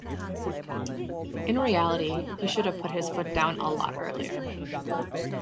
In reality, he should have put his foot down a lot earlier.